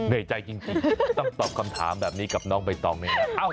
เนตใจยิ่งต้องตอบคำถามกับน่องใบตองเนี่ยนะ